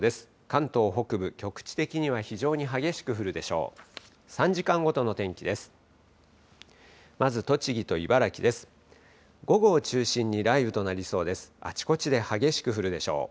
関東北部、局地的には非常に激しく降るでしょう。